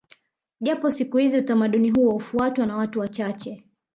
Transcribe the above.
Japo siku hizi utamaduni huo hufuatwa na watu wachache